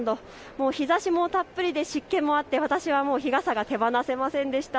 もう日ざしもたっぷりで湿気もあって私は日傘が手放せませんでした。